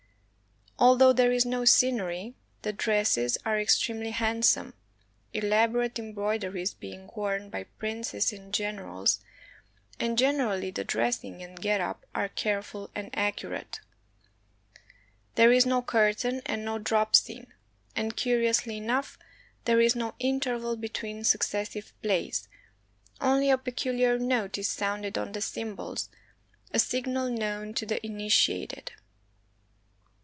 Although there is no scenery, the dresses are extremely handsome, elaborate embroideries being worn by princes and generals, and generally the dressing and get up are careful and accurate. There is no curtain and no drop scene. And, curiously enough, there is no interval be tween successive plays, only a peculiar note is sounded on the cymbals, a signal known to the initiated.